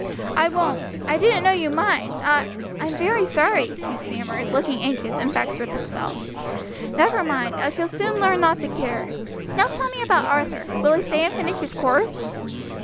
"I won't; I didn't know you'd mind; I I'm very sorry," he stammered, looking anxious, and vexed with himself. "Never mind; I shall soon learn not to care. Now tell me about Arthur. Will he stay and finish his course?"